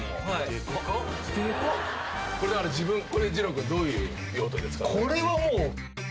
これじろう君どういう用途で使う？